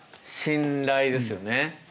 信頼ですよね。